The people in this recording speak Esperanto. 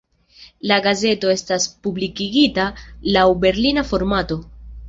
La gazeto estas publikigita laŭ berlina formato.